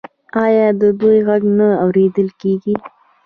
آیا د دوی غږ نه اوریدل کیږي؟